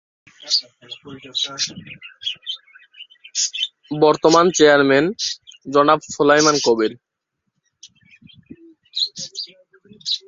বর্তমান চেয়ারম্যান- জনাব সোলায়মান কবীর